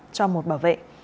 do một bảo vệ